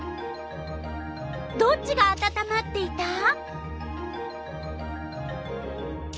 どっちがあたたまっていた？